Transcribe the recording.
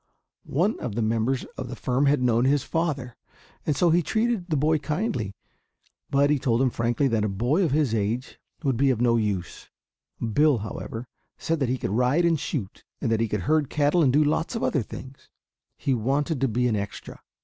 One of the members of the firm had known his father, and so he treated the boy kindly. But he told him frankly that a boy of his age would be of no use. Bill, however, said that he could ride and shoot, that he could herd cattle and do a lot of other things. He wanted to be an "extra."